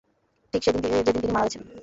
ঠিক সেদিন যেদিন তিনি মারা গেছেন।